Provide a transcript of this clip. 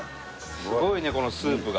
すごいねこのスープが。